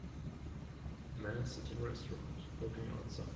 Man sitting restaurant looking outside.